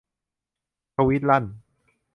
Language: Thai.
ทวีตลั่น